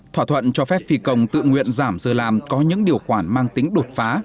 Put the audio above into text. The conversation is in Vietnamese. thỏa thuận cho phép phi công tự nguyện giảm giờ làm có những điều khoản mang tính đột phá